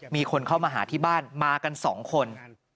มีคนเข้ามาหาที่บ้านมากัน๒คน